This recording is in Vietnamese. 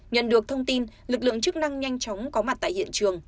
nhận được thông tin lực lượng chức năng nhanh chóng có mặt tại hiện trường